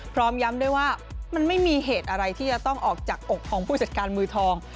พร้อมย้ำด้วยว่ามันไม่มีเหตุอะไรที่จะต้องออกจากอกของผู้จัดการมือทอง